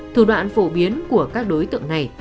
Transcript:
thủ đoạn phổ biến của các đối tượng này